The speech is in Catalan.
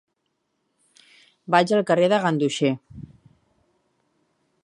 Vaig al carrer de Ganduxer.